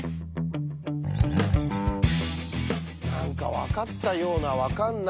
何か分かったような分かんないような。